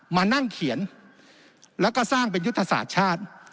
มานั่งเขียนแล้วก็สร้างเป็นยุทธศาสตร์ชาติ